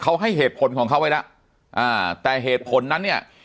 เขาให้เหตุผลของเขาไว้แล้วอ่าแต่เหตุผลนั้นเนี่ย